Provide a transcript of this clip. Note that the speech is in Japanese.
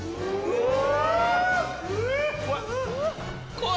うわ！